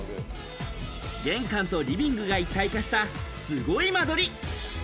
玄関とリビングが一体化した、すごい間取り。